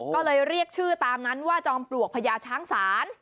ก็เลยเรียกชื่อตามนั้นว่าจอมปลวกพญาช้างศาล